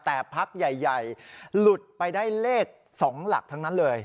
แต่พักใหญ่หลุดไปได้เลข๒หลักทั้งนั้นเลย